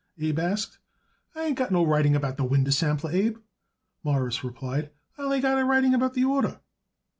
Abe asked. "I ain't got no writing about the winder sample, Abe," Morris replied. "I only got it a writing about the order."